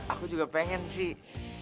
aku juga pengen sih